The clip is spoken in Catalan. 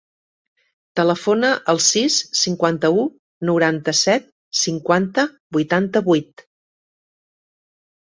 Telefona al sis, cinquanta-u, noranta-set, cinquanta, vuitanta-vuit.